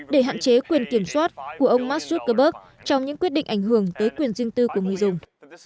để hạn chế quyền kiểm soát của ông mark zuckerberg trong những quyết định ảnh hưởng tới quyền riêng tư của người dùng